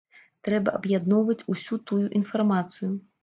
Трэба аб'ядноўваць усю тую інфармацыю.